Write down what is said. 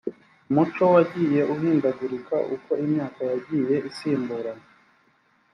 umuco wagiye uhindagurika uko imyaka yagiye isimburana